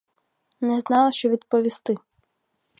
Не знала, що відповісти.